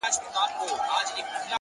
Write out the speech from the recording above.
هره ورځ د بدلون تخم لري!